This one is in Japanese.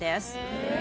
へえ！